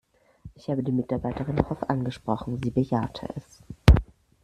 Ich habe die Mitarbeiterin darauf angesprochen, sie bejahte es.